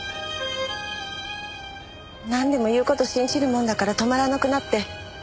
なんでも言う事信じるもんだから止まらなくなって。